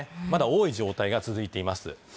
まだ多い状態が続いています。